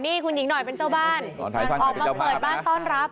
นี่คุณหญิงหน่อยเป็นเจ้าบ้านออกมาเปิดบ้านต้อนรับ